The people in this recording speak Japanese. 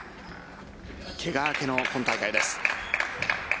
けが明けの今大会です。